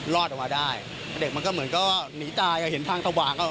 รอดออกมาได้เด็กมันก็เหมือนก็หนีจ่ายเห็นทางทะวาง